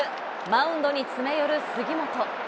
マウンドに詰め寄る杉本。